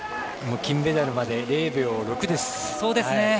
金メダルまであと０秒６です。